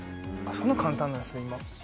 そんな簡単なんですね